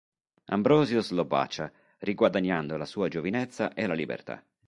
Ambrosius lo bacia, riguadagnando la sua giovinezza e la libertà.